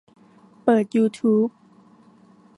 เปิดยูทูบ